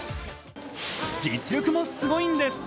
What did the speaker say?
実力もすごいんです。